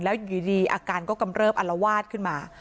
แล้วอยู่ดีอาการก็กำเริบอัลวาดขึ้นมา